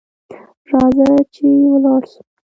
راځه چي ولاړ سو .